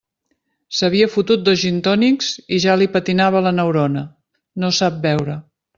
S'havia fotut dos gintònics i ja li patinava la neurona; no sap beure.